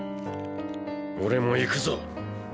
俺も行くぞ。